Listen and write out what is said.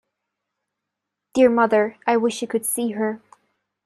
Dear mother, I wish you could see her!